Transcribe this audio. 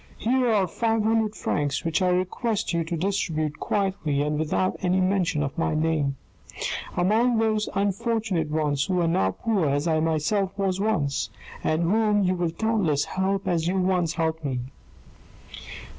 Here are five hundred francs which I request you to distribute quietly, and without any mention of my name, among those unfortunate ones who are now poor as I myself was once, and whom you will doubtless help as you once helped me."